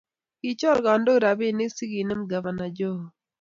Kichor kandoik rabinik ce kinem Gavana Joho